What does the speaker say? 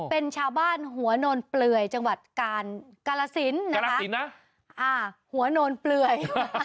เป็นชาวบ้านหัวโนนเปลือยจังหวัดกาลกาลสินนะอ่าหัวโนนเปลือย